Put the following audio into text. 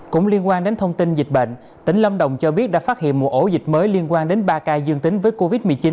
cũng liên quan đến thông tin dịch bệnh tỉnh lâm đồng cho biết đã phát hiện một ổ dịch mới liên quan đến ba ca dương tính với covid một mươi chín